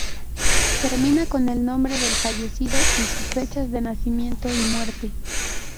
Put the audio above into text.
Termina con el nombre del fallecido y sus fechas de nacimiento y muerte.